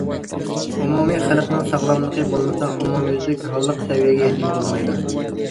ئومۇمىي خەلقنىڭ ساغلاملىقى بولمىسا، ئومۇميۈزلۈك ھاللىق سەۋىيەگە يەتكىلى بولمايدۇ.